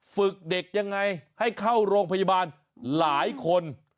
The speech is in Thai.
ฝึกเด็กยังไงให้เข้าโรงพยาบาลหลายคน